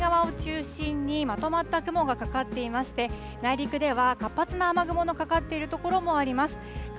この時間、日本海側を中心にまとまった雲がかかっていまして、内陸では活発な雨雲のかかっている所もあります。